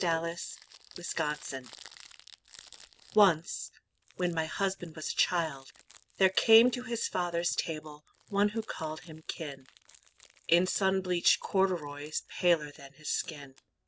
BLOOD FEUD Once, when my husband was a child, there came To his father's table, one who called him kin, In sunbleached corduroys paler than his skin.